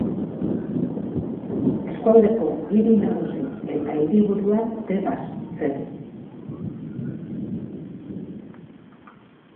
Eskualdeko hiri nagusi eta hiriburua Tebas zen.